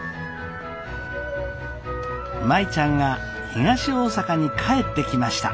舞ちゃんが東大阪に帰ってきました。